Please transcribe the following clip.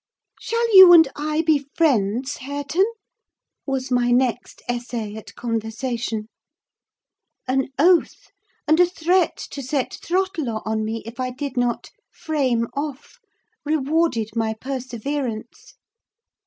"Shall you and I be friends, Hareton?" was my next essay at conversation. An oath, and a threat to set Throttler on me if I did not "frame off" rewarded my perseverance.